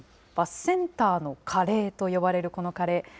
バスセンターのカレーと呼ばれるこのカレー。